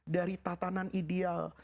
dari tatanan ideal